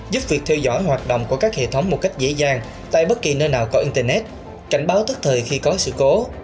giúp việc theo dõi hoạt động của các hệ thống một cách dễ dàng tại bất kỳ nơi nào có internet cảnh báo tức thời khi có sự cố